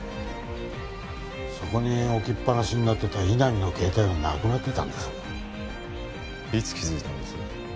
そこに置きっぱなしになってた井波の携帯がなくなってたんですいつ気づいたんです？